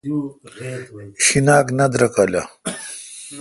شیناک نہ درکالہ